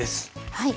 はい。